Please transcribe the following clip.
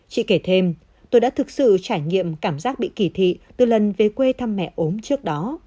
chị kể thêm tôi đã thực sự trải nghiệm cảm giác bị kỳ thị từ lần về quê thăm mẹ ốm trước đó